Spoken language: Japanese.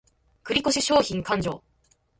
繰越商品勘定